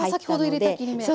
先ほど入れた切り目。